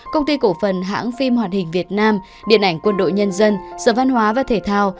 công ty cổ phần hãng phim hoàn hình việt nam điện ảnh quân đội nhân dân sở văn hóa và thể thao